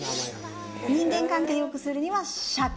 人間関係良くするにはシャケ。